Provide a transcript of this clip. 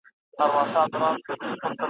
زما وطن پر مرګ پېرزوی دی نه قدرت د ابوجهل ..